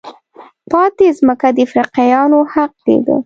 پاتې ځمکه د افریقایانو حق کېده.